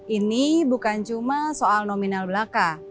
ini bukan cuma soal nominal belaka